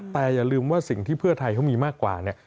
แต่อย่าลืมว่าสิ่งที่เพื่อไทยเขามีมากกว่าเนี่ย